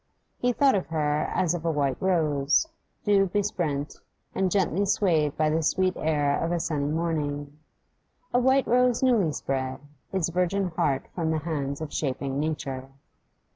He thought of her as of a white rose, dew besprent, and gently swayed by the sweet air of a sunny morning; a white rose newly spread, its heart virgin from the hands of shaping Nature.